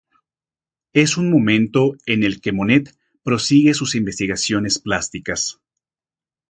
Es un momento en el que Monet prosigue sus investigaciones plásticas.